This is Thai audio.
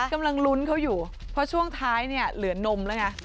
กำลังลุ้นเขาอยู่เพราะช่วงท้ายเนี่ยเหลือนมแล้วไง